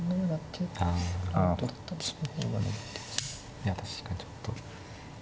いや確かにちょっと。